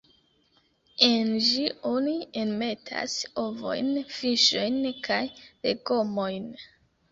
En ĝi oni enmetas ovojn, fiŝojn kaj legomojn.